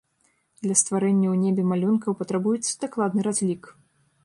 Для стварэння ў небе малюнкаў патрабуецца дакладны разлік.